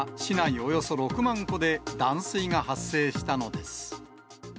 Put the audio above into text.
およそ６万戸で断水が発生したのです。